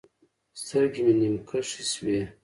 سترګې مې نيم کښې سوې.